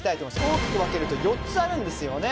大きく分けると４つあるんです。